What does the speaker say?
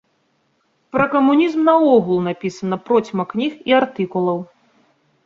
Пра камунізм наогул напісана процьма кніг і артыкулаў.